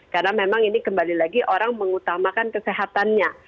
karena memang ini kembali lagi orang mengutamakan kesehatannya